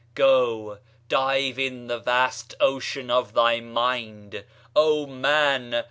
Go, dive in the vast ocean of thy mind, O man!